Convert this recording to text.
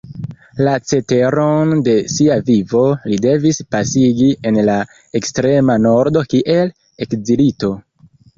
La ceteron de sia vivo li devis pasigi en la ekstrema Nordo kiel ekzilito.